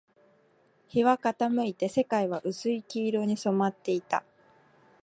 日は傾いて、世界は薄い黄色に染まっていた